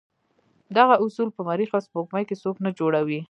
دغه اصول په مریخ او سپوږمۍ کې څوک نه جوړوي.